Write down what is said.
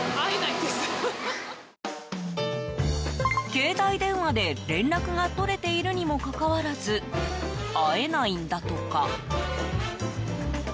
携帯電話で連絡が取れているにもかかわらず会えないんだとか。